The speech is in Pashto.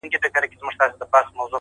په سپوږمۍ كي زمـــا ژوندون دى!!